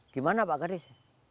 gimana pak kardes